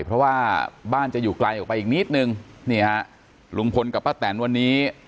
เพราะว่าบ้านจะอยู่ไกลออกไปอีกนิดนึงนี่ฮะลุงพลกับป้าแตนวันนี้